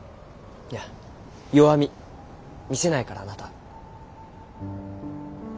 いや弱み見せないからあなた。